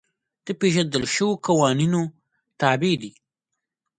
د پېژندل شویو قوانینو تابع دي.